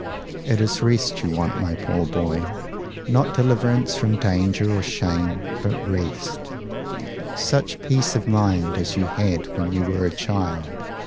It is rest you want, my poor boy not deliverance from danger or shame, but rest such peace of mind as you had when you were a child.